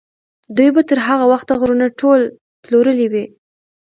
دوی به تر هغه وخته غرونه ټول پلورلي وي.